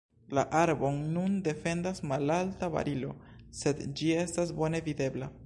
La arbon nun defendas malalta barilo, sed ĝi estas bone videbla.